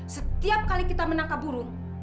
setiap kali kita menangkap burung